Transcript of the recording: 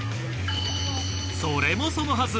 それもそのはず